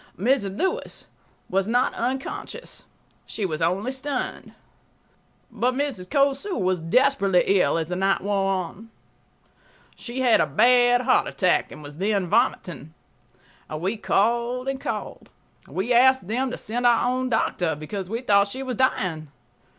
Mrs. Lewis was not unconscious; she was only stunned. But Mrs. Cosu was desperately ill as the night wore on. She had a bad heart attack and was then vomiting. We called and called. We asked them1to send our own doctor, because we thought she was dying